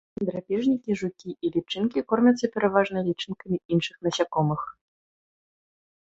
Драпежнікі, жукі і лічынкі кормяцца пераважна лічынкамі іншых насякомых.